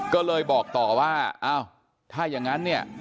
ก็เลยบอกต่อว่าอ้าวถ้าอย่างนั้นเนี่ย